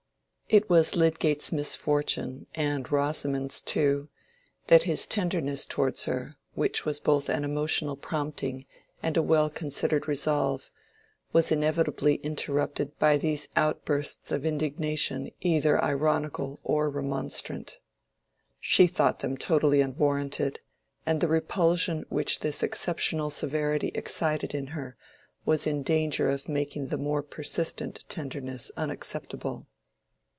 It was Lydgate's misfortune and Rosamond's too, that his tenderness towards her, which was both an emotional prompting and a well considered resolve, was inevitably interrupted by these outbursts of indignation either ironical or remonstrant. She thought them totally unwarranted, and the repulsion which this exceptional severity excited in her was in danger of making the more persistent tenderness unacceptable.